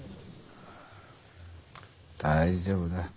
大丈夫だ。